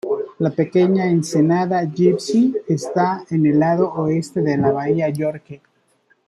La pequeña ensenada Gypsy está en el lado oeste de la Bahía Yorke.